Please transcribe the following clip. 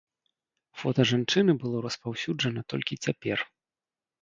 Фота жанчыны было распаўсюджана толькі цяпер.